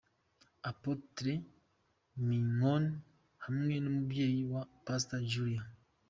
Apotre Mignone hamwe n'umubyeyi we Pastor Julie.